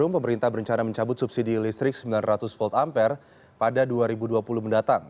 pemerintah berencana mencabut subsidi listrik sembilan ratus volt ampere pada dua ribu dua puluh mendatang